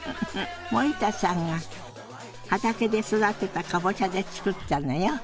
森田さんが畑で育てたかぼちゃで作ったのよ。